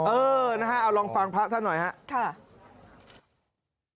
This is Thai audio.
เออนะฮะเอาลองฟังพระท่านหน่อยครับ